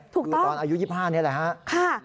ถูกต้องคือตอนอายุ๒๕นี้แหละครับครับ